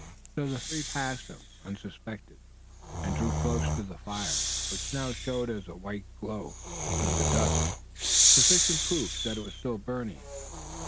So the three passed him, unsuspected, and drew close to the fire, which now showed as a white glow through the dusk, sufficient proof that it was still burning.